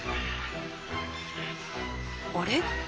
あれ？